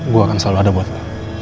gue akan selalu ada buat lo